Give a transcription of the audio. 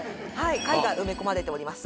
貝が埋め込まれております。